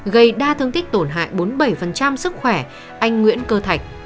gây đa thương tích tổn hại bốn mươi bảy sức khỏe anh nguyễn cơ thạch